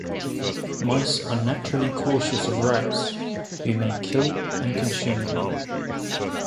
Mice are naturally cautious of rats, who may kill and consume them.